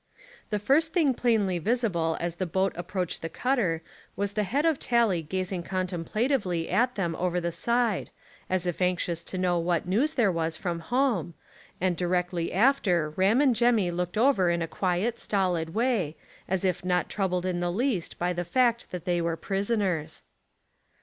The first thing plainly visible as the boat approached the cutter was the head of Tally gazing contemplatively at them over the side, as if anxious to know what news there was from home, and directly after Ram and Jemmy looked over in a quiet stolid way, as if not troubled in the least by the fact that they were prisoners.